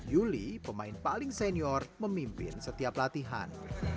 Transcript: yuli pemain paling senior memimpin setiap latihan